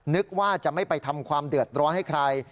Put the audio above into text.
นึกว่าจะไม่ไปทำความเดือดร้อนให้ใคร